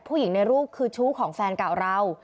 ผู้หญิงในรูปคือชู้ของแฟนเก่าเรา